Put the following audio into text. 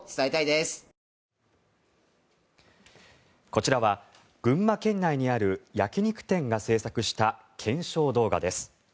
こちらは群馬県内にある焼き肉店が制作した検証動画です。